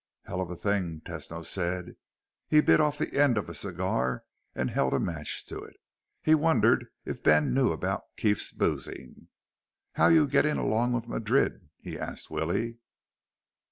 "Hell of a thing," Tesno said. He bit off the end of a cigar and held a match to it. He wondered if Ben knew about Keef's boozing. "How you getting along with Madrid?" he asked Willie.